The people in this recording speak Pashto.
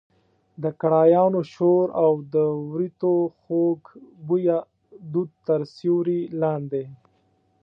د کړایانو شور او د وریتو خوږ بویه دود تر سیوري لاندې.